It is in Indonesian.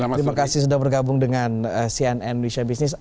terima kasih sudah bergabung dengan cnn indonesia business